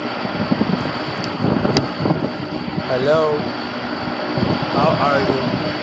Federations were soon formed in many other cities with large Jewish populations.